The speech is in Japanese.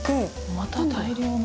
また大量の。